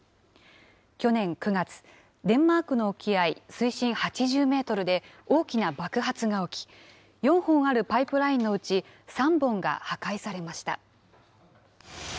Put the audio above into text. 去年９月、デンマークの沖合水深８０メートルで大きな爆発が起き、４本あるパイプラインのうち３本が破壊されました。